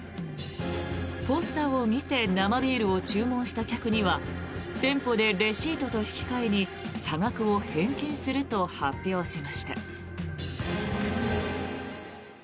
ポスターを見て生ビールを注文した客には店舗でレシートと引き換えに差額を返金すると発表しました。